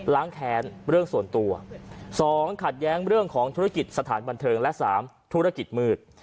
แค้นเรื่องส่วนตัว๒ขัดแย้งเรื่องของธุรกิจสถานบันเทิงและ๓ธุรกิจมืด